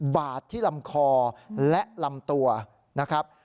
บาดที่ลำคอและลำตัวนะครับ